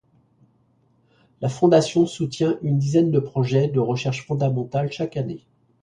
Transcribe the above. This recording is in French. La Fondation soutient une dizaine de projets de recherche fondamentale chaque année.